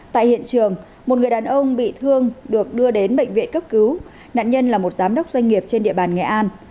tại hiện trường một người đàn ông bị thương được đưa đến bệnh viện cấp cứu nạn nhân là một giám đốc doanh nghiệp trên địa bàn nghệ an